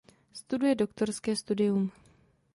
Studuje doktorské studium.